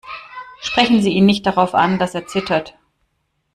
Sprechen Sie ihn nicht darauf an, dass er zittert.